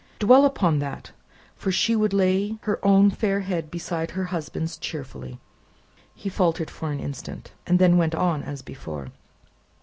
Dwell upon that, for she would lay her own fair head beside her husband's cheerfully." He faltered for an instant; then went on as before.